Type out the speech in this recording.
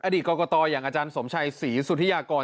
กรกตอย่างอาจารย์สมชัยศรีสุธิยากร